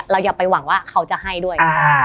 อย่าไปหวังว่าเขาจะให้ด้วย